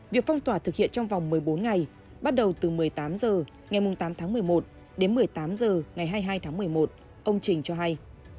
việc phong tỏa thực hiện trong vòng một mươi bốn ngày bắt đầu từ một mươi tám h ngày tám tháng một mươi một đến một mươi tám h ngày hai mươi hai tháng một mươi một ông trình cho hay